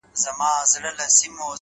جدايي وخوړم لاليه!! ستا خبر نه راځي!!